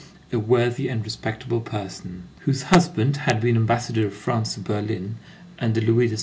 a worthy and respectable person, whose husband had been Ambassador of France to Berlin under Louis XVI.